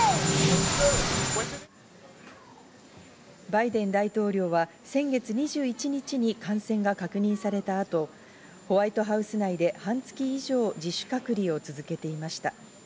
バイデン大統領は先月２１日に感染が確認された後、ホワイトハウス内で半月以上、自主隔離を続けていました。